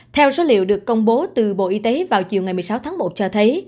theo số liệu được công bố từ bộ y tế vào chiều ngày một mươi sáu tháng một cho thấy